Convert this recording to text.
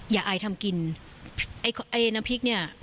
อายทำกินไอ้น้ำพริกเนี่ย